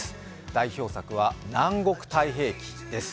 代表作は「南国太平記」です。